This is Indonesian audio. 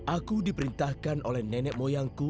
aku diperintahkan oleh nenek moyangku